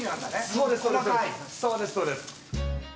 そうです、そうです。